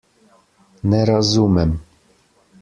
Ne razumem.